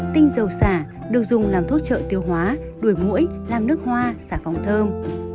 tinh dầu xả được dùng làm thuốc trợ tiêu hóa đuổi mũi làm nước hoa xả phóng thơm